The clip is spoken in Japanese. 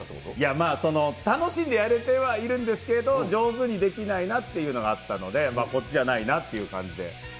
まあ楽しんでやれてはいるんですけど、上手にできないなっていうのがあったので、こっちじゃないなっていう感じで。